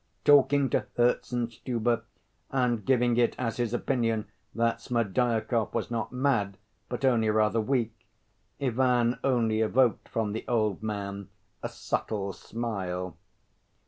Talking to Herzenstube, and giving it as his opinion that Smerdyakov was not mad, but only rather weak, Ivan only evoked from the old man a subtle smile.